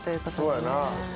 そうやな。